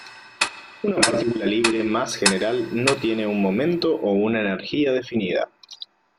Una partícula libre más general no tiene un momento o una energía definida.